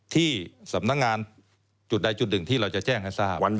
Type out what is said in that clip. ที่สำนักงานจุดใดจุดหนึ่งที่เราจะแจ้งให้ทราบ